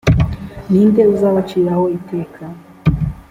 ni nde uzabaciraho iteka